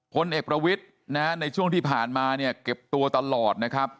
พลเอกประวิทย์นะฮะในช่วงที่ผ่านมาเนี่ยเก็บตัวตลอดนะครับ